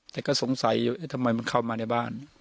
แต่ก็สงสัยอยู่ทำไมมันเข้ามาในบ้าน